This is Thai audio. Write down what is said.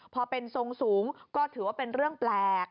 พอเป็นทรงสูงก็ถือว่าเป็นเรื่องแปลก